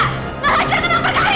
nggak ajar nganak berkari